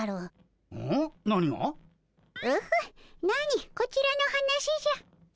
なにこちらの話じゃ。